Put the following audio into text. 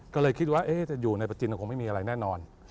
ก็เลยคิดว่าเอ๊จะอยู่ในประจินกเข้าไปมีอะไรแน่นอน